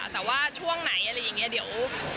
แต่ว่าช่วงไหนอะไรอย่างนี้เดี๋ยว